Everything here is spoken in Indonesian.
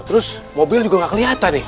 terus mobil juga nggak kelihatan nih